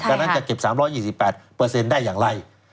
ดังนั้นจะเก็บ๓๒๘ได้อย่างไร